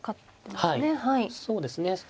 はいそうですね。